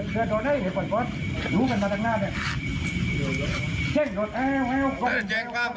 เพื่อรักษาโทระแห่งพลัง